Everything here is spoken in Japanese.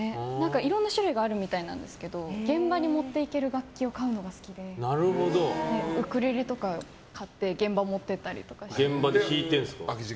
いろんな種類があるみたいなんですけど現場に持っていける楽器を買うのが好きでウクレレと買って現場に持っていったり。